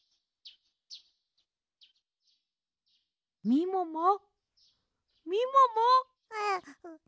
みももみもも！